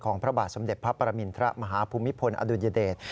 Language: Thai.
พระบาทสมเด็จพระปรมินทรมาฮภูมิพลอดุญเดช